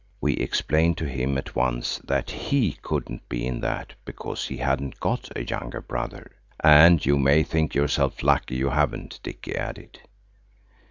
We explained to him at once that he couldn't be in that, because he hadn't got a younger brother. "And you may think yourself lucky you haven't," Dicky added.